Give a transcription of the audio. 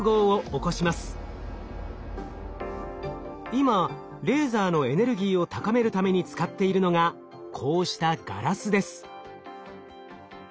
今レーザーのエネルギーを高めるために使っているのがこうしたガラスです。